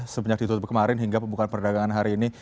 sepenyak di tutup kemarin hingga pembukaan perdagangan hari ini